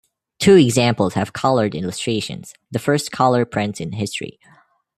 Two examples have colored illustrations, the first color prints in history.